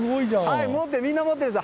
みんな、持ってるんです。